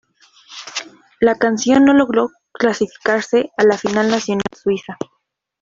La canción no logró clasificarse a la final nacional suiza.